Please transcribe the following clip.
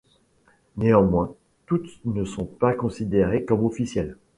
Néanmoins toutes ne sont pas considérés comme officielles.